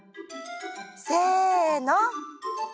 せの！